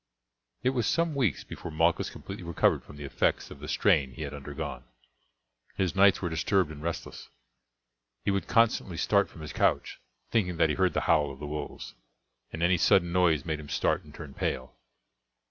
It was some weeks before Malchus completely recovered from the effects of the strain he had undergone. His nights were disturbed and restless. He would constantly start from his couch, thinking that he heard the howl of the wolves, and any sudden noise made him start and turn pale.